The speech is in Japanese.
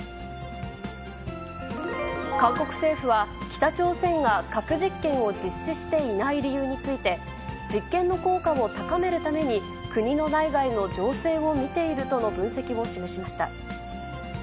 韓国政府は、北朝鮮が核実験を実施していない理由について、実験の効果を高めるために、国の内外の情勢を見ているとの分析を示しました。